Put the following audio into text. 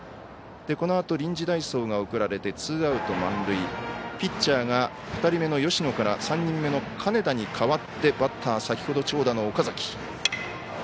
このあと、臨時代走が送られてツーアウト満塁。ピッチャーが２人目の芳野から３人目の金田に代わってバッター、先ほど長打の岡崎。